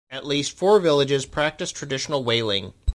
At least four villages practice traditional whaling.